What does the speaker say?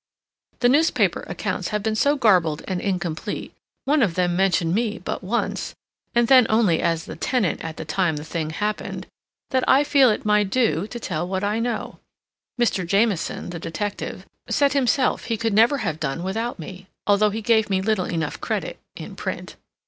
The newspaper accounts have been so garbled and incomplete—one of them mentioned me but once, and then only as the tenant at the time the thing happened—that I feel it my due to tell what I know. Mr. Jamieson, the detective, said himself he could never have done without me, although he gave me little enough credit, in print.